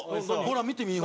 ほら見てみ。